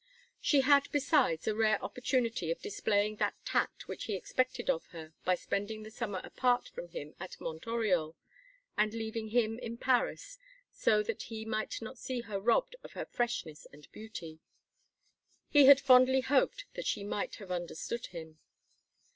She had, besides, a rare opportunity of displaying that tact which he expected of her by spending the summer apart from him at Mont Oriol, and leaving him in Paris so that he might not see her robbed of her freshness and beauty. He had fondly hoped that she might have understood him.